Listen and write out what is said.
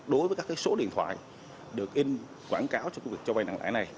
đối với các số điện thoại được in quảng cáo cho việc cho vai nặng lãi này